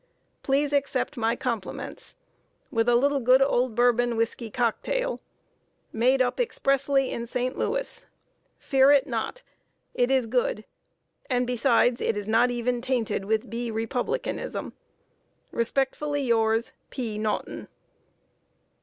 Please Accept My Compliments. With a little good Old Bourbon Whisky Cocktail. Made up Expressly in St Louis. fear it not. it is good. And besides it is not even tainted with B. Republicanism. Respectfully yours, "P. NAUGHTON."